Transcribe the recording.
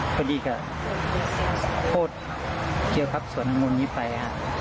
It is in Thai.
พอดีก็โฟดเที่ยวครับส่วนทั้งหมดนี้ไปครับ